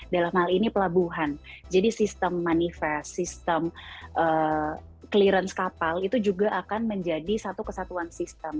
dalam hal ini pelabuhan jadi sistem manifest sistem clearance kapal itu juga akan menjadi satu kesatuan sistem